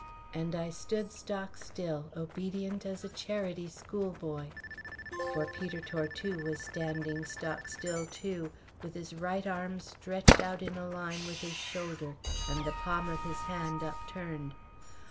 and I stood stock still, obedient as a charity school boy. For Peter Tortue was standing stock still too, with his right arm stretched out in a line with his shoulder and the palm of his hand upturned.